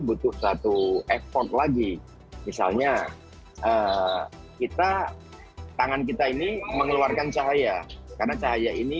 butuh satu effort lagi misalnya kita tangan kita ini mengeluarkan cahaya karena cahaya ini